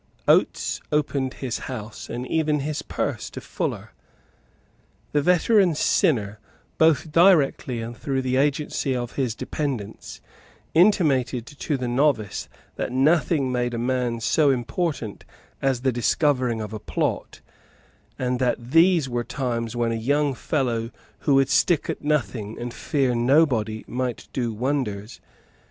Oates opened his house and even his purse to Fuller. The veteran sinner, both directly and through the agency of his dependents, intimated to the novice that nothing made a man so important as the discovering of a plot, and that these were times when a young fellow who would stick at nothing and fear nobody might do wonders.